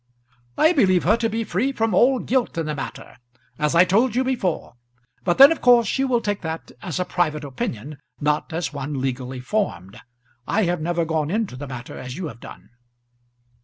"I believe her to be free from all guilt in the matter as I told you before. But then of course you will take that as a private opinion, not as one legally formed. I have never gone into the matter as you have done."